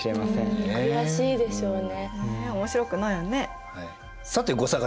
ねえ面白くないよね。